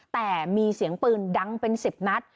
แต่มีเสียงปืนดังเป็น๑๐นัด